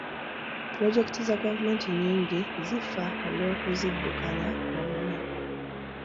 Pulojekiti za gavumenti nnyingi zifa olw'okuziddukanya obubi.